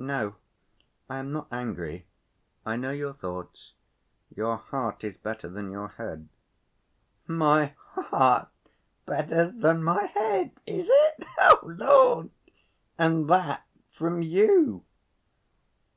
"No, I am not angry. I know your thoughts. Your heart is better than your head." "My heart better than my head, is it? Oh, Lord! And that from you.